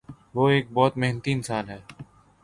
وہ ایک بہت محنتی انسان ہے۔